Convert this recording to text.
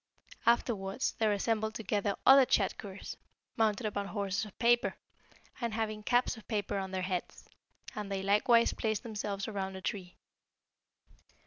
Afterwards there assembled together other Tschadkurrs, mounted upon horses of paper, and having caps of paper on their heads, and they likewise placed themselves around the tree.